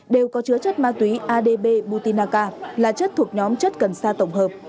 đều có chứa chất ma túy adp butinaca là chất thuộc nhóm chất cần sa tổng hợp